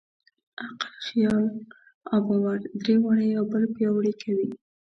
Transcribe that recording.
عقل، خیال او باور؛ درې واړه یو بل پیاوړي کوي.